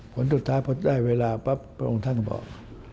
ผลสุดท้ายพอได้เวลาปั๊บพระองค์ท่านบอก